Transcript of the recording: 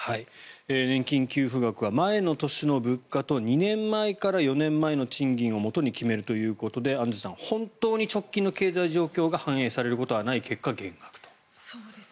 年金給付額は前の年の物価と２年前から４年前の賃金をもとに決めるということでアンジュさん本当に直近の経済状況が反映されることはない結果減額という。